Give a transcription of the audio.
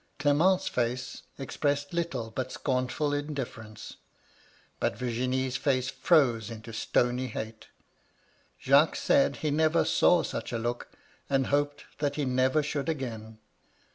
Clement's face expressed little but scornful indifference; but Virginie's face froze into stony hate. Jacques said he never saw such a look, and hoped that he never should again.